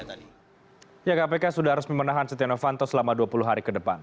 ya kpk sudah resmi menahan setia novanto selama dua puluh hari ke depan